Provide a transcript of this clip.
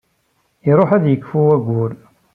Iṛuḥ ad yekfu waggur.